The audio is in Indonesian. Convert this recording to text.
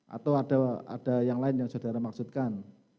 atau ada yang lain yang saudara maksudkan